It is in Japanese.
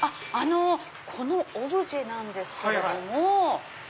このオブジェなんですけども。